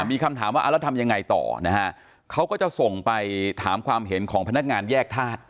มีคำถามว่าแล้วทำยังไงต่อนะฮะเขาก็จะส่งไปถามความเห็นของพนักงานแยกธาตุ